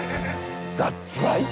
ザッツライト！